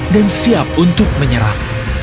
dan siap untuk menyerang